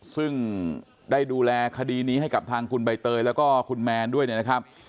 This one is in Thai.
ซึ่งได้ดูแลคดีนี้ให้กับทางคุณใบเตยแล้วก็คุณแมนด้วยนะครับ